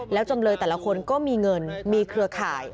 แล้วจำเลยแต่ละคนก็มีเงินมีเครือข่าย